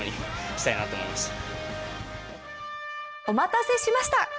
お待たせしました、